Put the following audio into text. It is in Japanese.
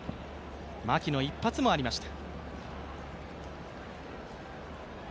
牧の一発もありました。